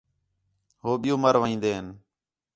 ہو ٻِیّو مَر وین٘دِن